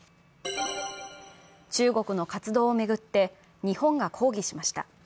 中国の活動を巡って日本が抗議しました。